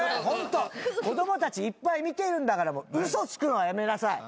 子供たちいっぱい見てるんだから嘘つくのはやめなさい。